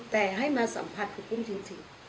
แต่ให้มาสัมผัสครูปุ้มจริง